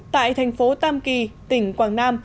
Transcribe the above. tại thành phố tam kỳ tỉnh quảng nam